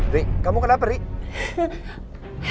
rit kamu kenapa rit